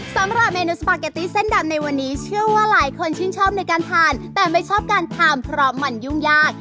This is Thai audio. สำหรับเมนูสปาเกตตี้เส้นดำในวันนี้เชื่อว่าหลายคนชื่นชอบในการทานแต่ไม่ชอบการทานเพราะมันยุ่งยาก